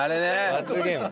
罰ゲーム。